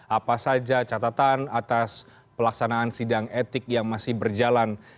apa saja catatan atas pelaksanaan sidang etik yang masih berjalan